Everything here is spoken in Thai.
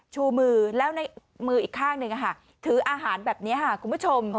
ชูมือแล้วในมืออีกข้างหนึ่งถืออาหารแบบนี้ค่ะคุณผู้ชม